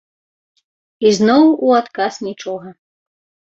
Ізноў у адказ нічога.